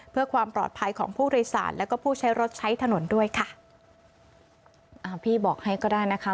เพื่อความปลอดภัยของผู้โดยสารแล้วก็ผู้ใช้รถใช้ถนนด้วยค่ะอ่าพี่บอกให้ก็ได้นะคะ